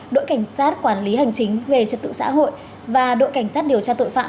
đội cảnh sát quản lý hành chính về trật tự xã hội và đội cảnh sát điều tra tội phạm